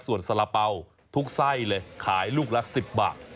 ส่วนสาระเป๋าทุกไส้เลยขายลูกละ๑๐บาท